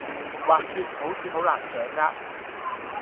滑雪好似好難掌握